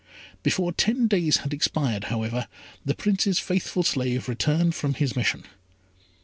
Before ten days had expired, however, the Prince's faithful slave returned from his mission.